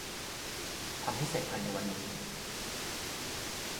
ทำให้เสร็จภายในวันนี้